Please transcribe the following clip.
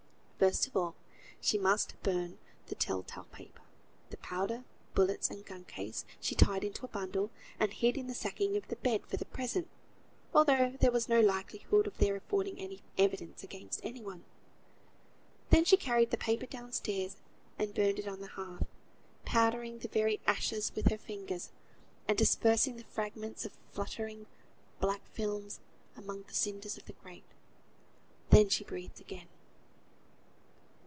First of all she must burn the tell tale paper. The powder, bullets, and gun case, she tied into a bundle, and hid in the sacking of the bed for the present, although there was no likelihood of their affording evidence against any one. Then she carried the paper down stairs, and burnt it on the hearth, powdering the very ashes with her fingers, and dispersing the fragments of fluttering black films among the cinders of the grate. Then she breathed again.